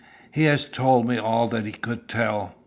He has told me all that he could tell.